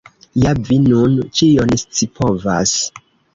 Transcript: Ja vi nun ĉion scipovas!